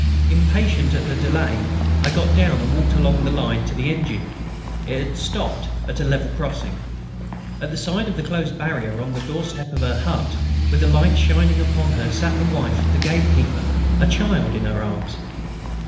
Impatient at the delay, I got down and walked along the line to the engine. It had stopped at a level crossing. At the side of the closed barrier, on the doorstep of her hut, with the light shining upon her, sat the wife of the gatekeeper, a child in her arms.